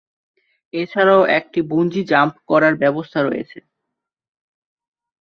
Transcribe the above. এছাড়াও একটি বুঞ্জি-জাম্প করার ব্যবস্থা রয়েছে।